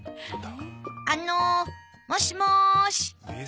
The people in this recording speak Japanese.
あのもしもし？